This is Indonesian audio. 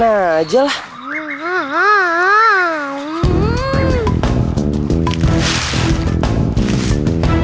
awas kamu kalau kena